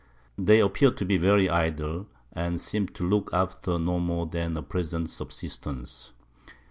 They appear'd to be very idle, and seem to look after no more than a present Subsistance.